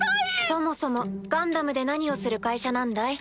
そもそもガンダムで何をする会社なんだい？